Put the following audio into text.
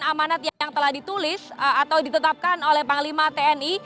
amanat yang telah ditulis atau ditetapkan oleh panglima tni